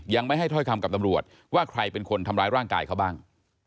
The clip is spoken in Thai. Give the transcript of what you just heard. ยังไม่ให้ถ้อยคำกับตำรวจว่าใครเป็นคนทำร้ายร่างกายเขาบ้าง